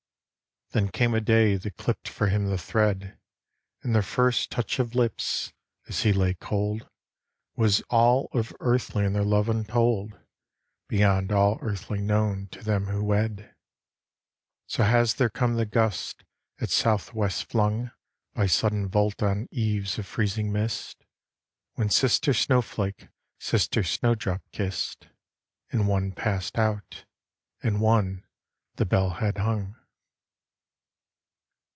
Then came a day that clipped for him the thread, And their first touch of lips, as he lay cold, Was all of earthly in their love untold, Beyond all earthly known to them who wed. So has there come the gust at South west flung By sudden volt on eves of freezing mist, When sister snowflake sister snowdrop kissed, And one passed out, and one the bell head hung.